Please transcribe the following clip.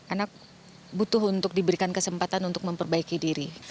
anak butuh untuk diberikan kesempatan untuk memperbaiki diri